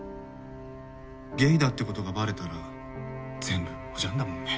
ゲイだってことがバレたら全部おじゃんだもんね。